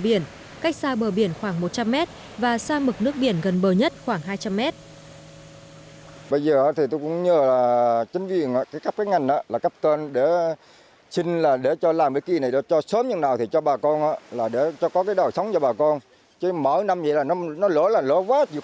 biển cách xa bờ biển khoảng một trăm linh mét và xa mực nước biển gần bờ nhất khoảng hai trăm linh mét